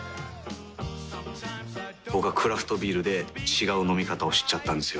僕はクラフトビールで違う飲み方を知っちゃったんですよ。